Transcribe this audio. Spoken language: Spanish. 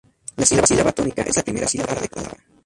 La sílaba tónica es la primera sílaba de cada palabra.